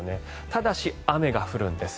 ただし、雨が降るんです。